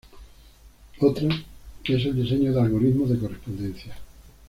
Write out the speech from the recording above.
Otra es el diseño de algoritmos de correspondencia.